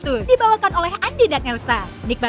yuk sekarang kita pulang ya